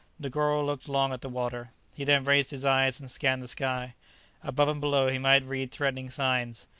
Negoro looked long at the water; he then raised his eyes and scanned the sky. Above and below he might have read threatening signs.